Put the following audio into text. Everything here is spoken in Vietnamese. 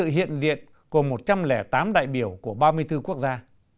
hiện diện của một trăm linh tám đại biểu của ba mươi bốn quốc gia